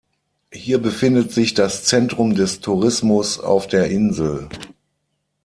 Hier befindet sich das Zentrum des Tourismus auf der Insel.